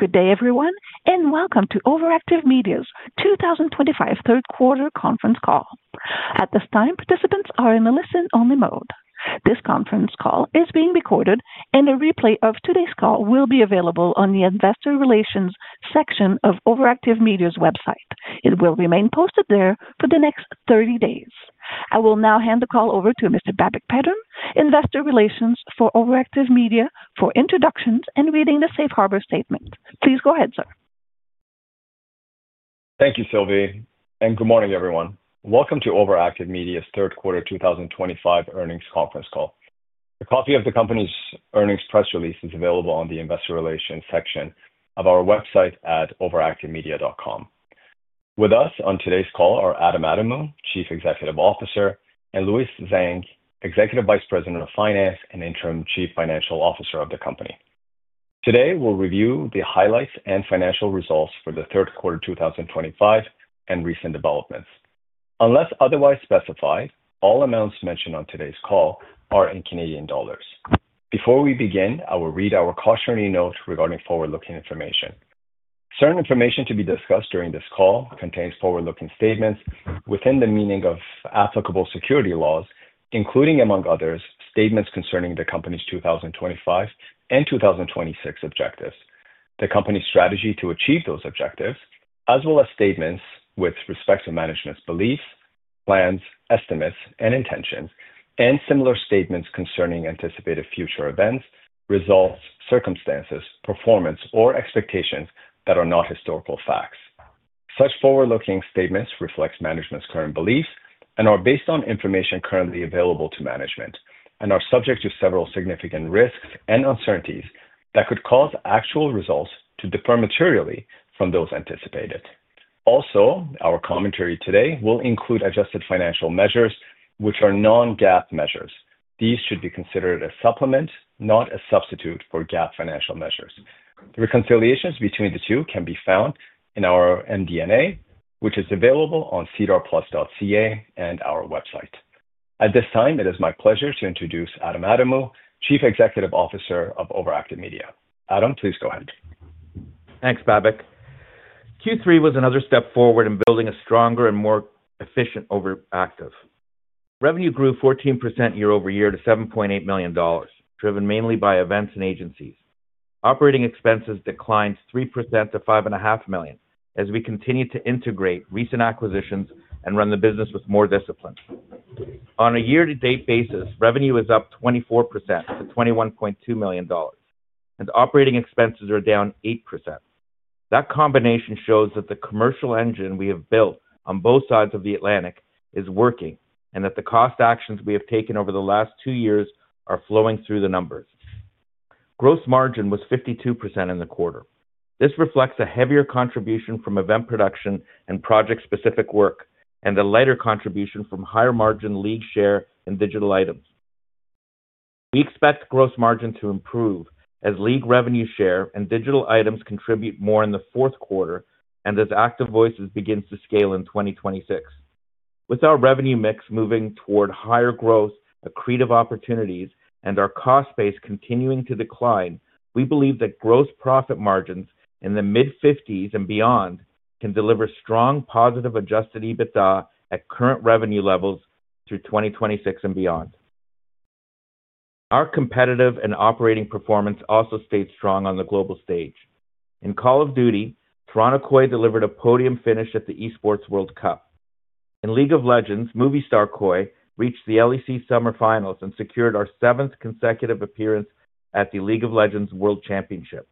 Good day, everyone, and welcome to OverActive Media's 2025 third quarter conference call. At this time, participants are in a listen-only mode. This conference call is being recorded, and a replay of today's call will be available on the Investor Relations section of OverActive Media's website. It will remain posted there for the next 30 days. I will now hand the call over to Mr. Babak Pedram, Investor Relations for OverActive Media, for introductions and reading the Safe Harbor Statement. Please go ahead, sir. Thank you, Sylvie, and good morning, everyone. Welcome to OverActive Media's third quarter 2025 earnings conference call. A copy of the company's earnings press release is available on the Investor Relations section of our website at overactivemedia.com. With us on today's call are Adam Adamou, Chief Executive Officer, and Louis Zhang, Executive Vice President of Finance and Interim Chief Financial Officer of the company. Today, we'll review the highlights and financial results for the third quarter 2025 and recent developments. Unless otherwise specified, all amounts mentioned on today's call are in CAD. Before we begin, I will read our cautionary note regarding forward-looking information. Certain information to be discussed during this call contains forward-looking statements within the meaning of applicable security laws, including, among others, statements concerning the company's 2025 and 2026 objectives, the company's strategy to achieve those objectives, as well as statements with respect to management's beliefs, plans, estimates, and intentions, and similar statements concerning anticipated future events, results, circumstances, performance, or expectations that are not historical facts. Such forward-looking statements reflect management's current beliefs and are based on information currently available to management and are subject to several significant risks and uncertainties that could cause actual results to differ materially from those anticipated. Also, our commentary today will include adjusted financial measures, which are non-GAAP measures. These should be considered a supplement, not a substitute for GAAP financial measures. The reconciliations between the two can be found in our MD&A, which is available on cedarplus.ca and our website. At this time, it is my pleasure to introduce Adam Adamou, Chief Executive Officer of OverActive Media. Adam, please go ahead. Thanks, Babak. Q3 was another step forward in building a stronger and more efficient OverActive. Revenue grew 14% year over year to 7.8 million dollars, driven mainly by events and agencies. Operating expenses declined 3% to 5.5 million as we continue to integrate recent acquisitions and run the business with more discipline. On a year-to-date basis, revenue is up 24% to 21.2 million dollars, and operating expenses are down 8%. That combination shows that the commercial engine we have built on both sides of the Atlantic is working and that the cost actions we have taken over the last two years are flowing through the numbers. Gross margin was 52% in the quarter. This reflects a heavier contribution from event production and project-specific work and a lighter contribution from higher margin lead share and digital items. We expect gross margin to improve as lead revenue share and digital items contribute more in the fourth quarter and as ActiveVoices begin to scale in 2026. With our revenue mix moving toward higher growth, accretive opportunities, and our cost base continuing to decline, we believe that gross profit margins in the mid-50% and beyond can deliver strong positive adjusted EBITDA at current revenue levels through 2026 and beyond. Our competitive and operating performance also stayed strong on the global stage. In Call of Duty, [Movistar] KOI delivered a podium finish at the Esports World Cup. In League of Legends, Movistar KOI reached the LEC Summer Finals and secured our seventh consecutive appearance at the League of Legends World Championship.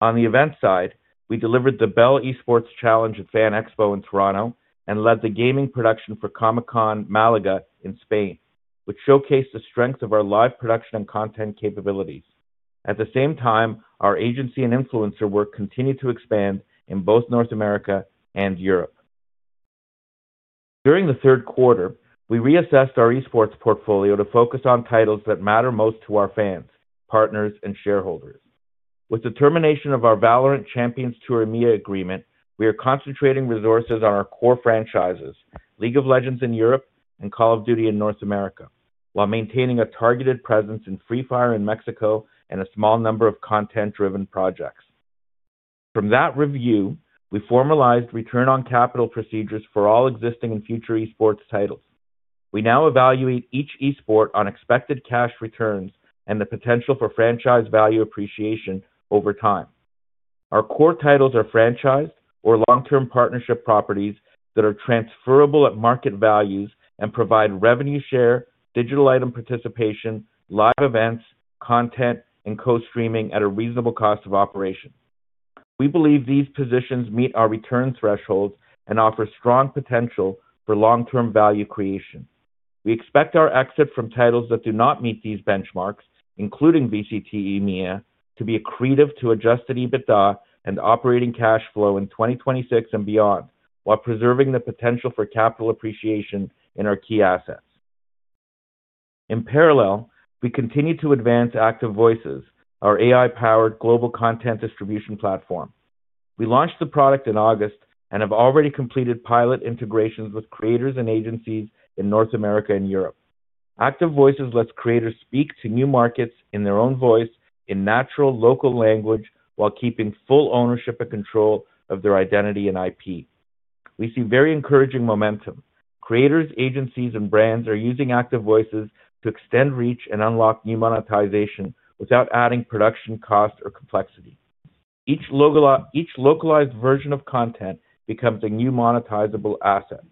On the event side, we delivered the Bell Esports Challenge at FAN EXPO in Toronto and led the gaming production for Comic-Con Málaga in Spain, which showcased the strength of our live production and content capabilities. At the same time, our agency and influencer work continued to expand in both North America and Europe. During the third quarter, we reassessed our Esports portfolio to focus on titles that matter most to our fans, partners, and shareholders. With the termination of our Valorant Champions Tour EMEA agreement, we are concentrating resources on our core franchises, League of Legends in Europe and Call of Duty in North America, while maintaining a targeted presence in Free Fire in Mexico and a small number of content-driven projects. From that review, we formalized return-on-capital procedures for all existing and future Esports titles. We now evaluate each esport on expected cash returns and the potential for franchise value appreciation over time. Our core titles are franchised or long-term partnership properties that are transferable at market values and provide revenue share, digital item participation, live events, content, and co-streaming at a reasonable cost of operation. We believe these positions meet our return thresholds and offer strong potential for long-term value creation. We expect our exit from titles that do not meet these benchmarks, including VCT EMEA, to be accretive to adjusted EBITDA and operating cash flow in 2026 and beyond, while preserving the potential for capital appreciation in our key assets. In parallel, we continue to advance ActiveVoices, our AI-powered global content distribution platform. We launched the product in August and have already completed pilot integrations with creators and agencies in North America and Europe. ActiveVoices lets creators speak to new markets in their own voice in natural, local language while keeping full ownership and control of their identity and IP. We see very encouraging momentum. Creators, agencies, and brands are using ActiveVoices to extend reach and unlock new monetization without adding production cost or complexity. Each localized version of content becomes a new monetizable asset.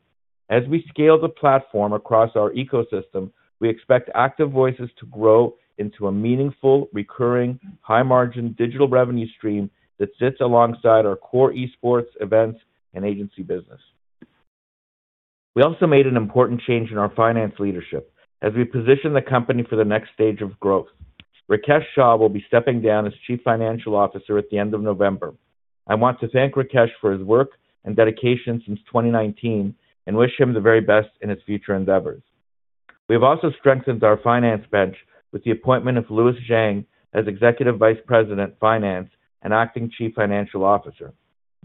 As we scale the platform across our ecosystem, we expect ActiveVoices to grow into a meaningful, recurring, high-margin digital revenue stream that sits alongside our core Esports, events, and agency business. We also made an important change in our finance leadership as we position the company for the next stage of growth. Rikesh Shah will be stepping down as Chief Financial Officer at the end of November. I want to thank Rikesh for his work and dedication since 2019 and wish him the very best in his future endeavors. We have also strengthened our finance bench with the appointment of Louis Zhang as Executive Vice President of Finance and Acting Chief Financial Officer.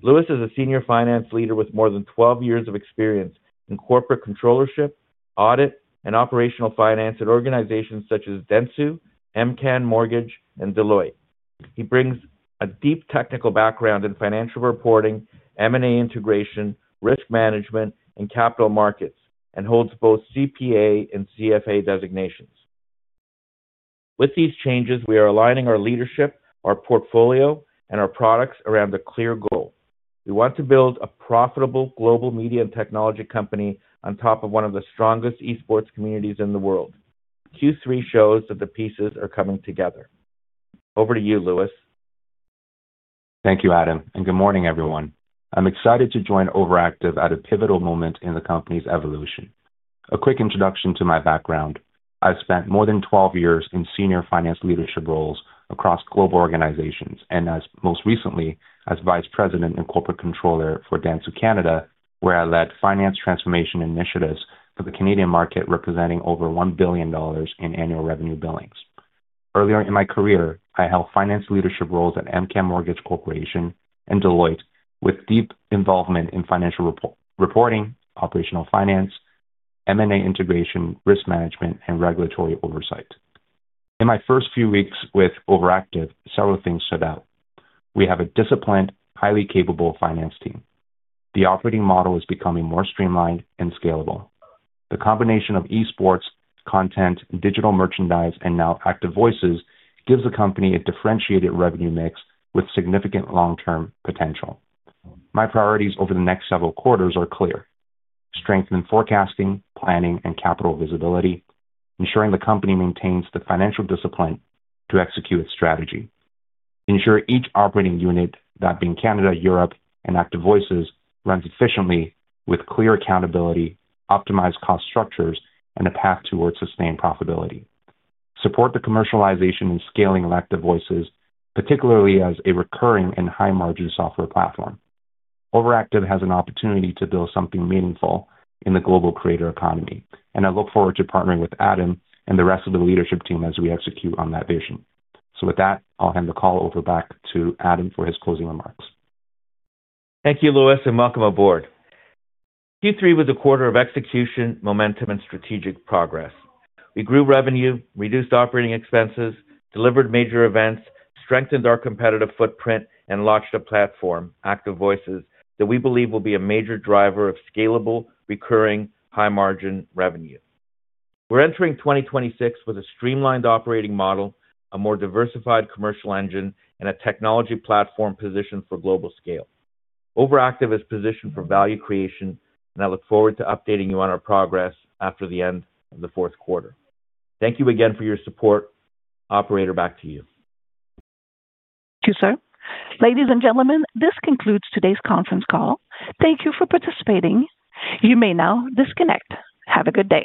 Louis is a senior finance leader with more than 12 years of experience in corporate controllership, audit, and operational finance at organizations such as Dentsu, MCAN Mortgage Corporation, and Deloitte. He brings a deep technical background in financial reporting, M&A integration, risk management, and capital markets, and holds both CPA and CFA designations. With these changes, we are aligning our leadership, our portfolio, and our products around a clear goal. We want to build a profitable global media and technology company on top of one of the strongest Esports communities in the world. Q3 shows that the pieces are coming together. Over to you, Louis? Thank you, Adam, and good morning, everyone. I'm excited to join OverActive at a pivotal moment in the company's evolution. A quick introduction to my background: I've spent more than 12 years in senior finance leadership roles across global organizations and, most recently, as Vice President and Corporate Controller for Dentsu Canada, where I led finance transformation initiatives for the Canadian market, representing over 1 billion dollars in annual revenue billings. Earlier in my career, I held finance leadership roles at MCAN Mortgage Corporation and Deloitte, with deep involvement in financial reporting, operational finance, M&A integration, risk management, and regulatory oversight. In my first few weeks with OverActive, several things stood out. We have a disciplined, highly capable finance team. The operating model is becoming more streamlined and scalable. The combination of Esports, content, digital merchandise, and now ActiveVoices gives the company a differentiated revenue mix with significant long-term potential. My priorities over the next several quarters are clear: strengthen forecasting, planning, and capital visibility, ensuring the company maintains the financial discipline to execute its strategy, ensure each operating unit, that being Canada, Europe, and ActiveVoices, runs efficiently with clear accountability, optimized cost structures, and a path towards sustained profitability, support the commercialization and scaling of ActiveVoices, particularly as a recurring and high-margin software platform. OverActive has an opportunity to build something meaningful in the global creator economy, and I look forward to partnering with Adam and the rest of the leadership team as we execute on that vision. With that, I'll hand the call over back to Adam for his closing remarks. Thank you, Louis, and welcome aboard. Q3 was a quarter of execution, momentum, and strategic progress. We grew revenue, reduced operating expenses, delivered major events, strengthened our competitive footprint, and launched a platform, ActiveVoices, that we believe will be a major driver of scalable, recurring, high-margin revenue. We're entering 2026 with a streamlined operating model, a more diversified commercial engine, and a technology platform positioned for global scale. OverActive is positioned for value creation, and I look forward to updating you on our progress after the end of the fourth quarter. Thank you again for your support. Operator, back to you. Thank you, sir. Ladies and gentlemen, this concludes today's conference call. Thank you for participating. You may now disconnect. Have a good day.